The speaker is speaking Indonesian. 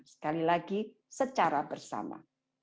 sekali lagi secara bersama